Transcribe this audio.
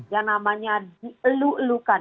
yang namanya dieluk elukan